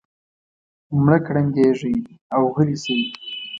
مه کړنګېږئ او غلي شئ.